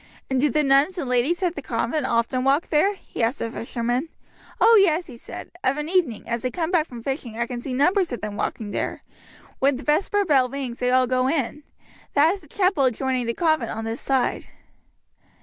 "And do the nuns and the ladies at the convent often walk there?" he asked the fisherman. "Oh yes," he answered; "of an evening as I come back from fishing I can see numbers of them walking there. When the vesper bell rings they all go in. That is the chapel adjoining the convent on this side."